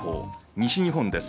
西日本です。